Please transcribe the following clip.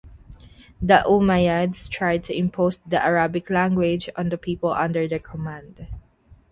The Umayyads tried to impose the Arabic language on the people under their command.